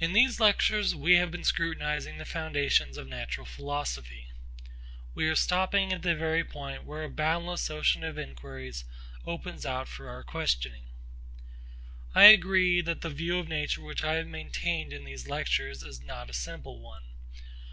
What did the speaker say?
In these lectures we have been scrutinising the foundations of natural philosophy. We are stopping at the very point where a boundless ocean of enquiries opens out for our questioning. I agree that the view of Nature which I have maintained in these lectures is not a simple one.